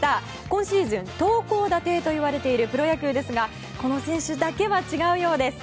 今シーズン、投高打低と言われているプロ野球ですがこの選手だけは違うようです。